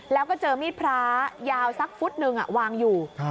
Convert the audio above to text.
แล้วก็เจอมีดพระยาวสักฟุตหนึ่งวางอยู่